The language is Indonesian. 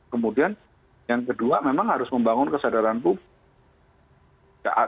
kemudian yang kedua memang harus membangun kesadaran publik